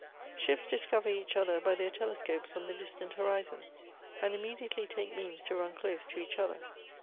Ships discover each other by their telescopes on the distant horizon, and immediately take means to run close to each other.